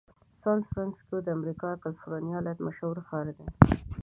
سان فرنسیسکو د امریکا کالفرنیا ایالت مشهوره ښار دی.